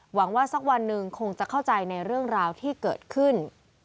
หวังว่าสักวันหนึ่งคงจะเข้าใจในเรื่องราวที่เกิดขึ้น